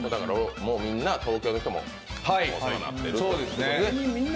みんな東京の人もお世話になってる。